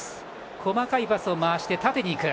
細かいパスを回して、縦にいく。